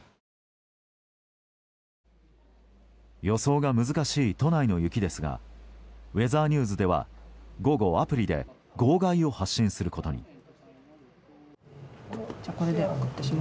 予想が難しい都内の雪ですがウェザーニューズでは午後、アプリで号外を発信することに。